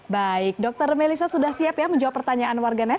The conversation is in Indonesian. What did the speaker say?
baik dokter melisa sudah siap ya menjawab pertanyaan warganet